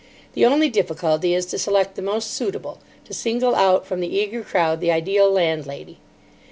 The only difficulty is to select the most suitable, to single out from the eager crowd the ideal landlady.